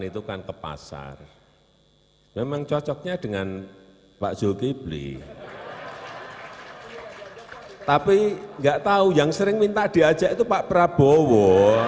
tapi gak tau yang sering minta diajak itu pak prabowo